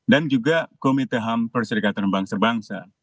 dan juga komite ham persedekatan bangsa bangsa